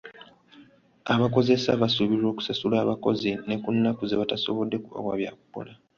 Abakozesa basuubirwa okusasula abakozi ne ku nnaku ze batasobodde kubawa byakukola.